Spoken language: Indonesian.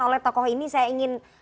oleh tokoh ini saya ingin